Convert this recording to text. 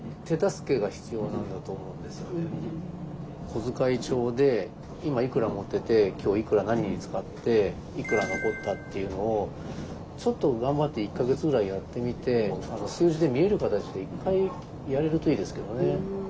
小遣い帳で今いくら持ってて今日いくら何に使っていくら残ったっていうのをちょっと頑張って１か月ぐらいやってみて数字で見える形で一回やれるといいですけどね。